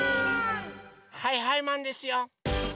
はいはいマンですよ！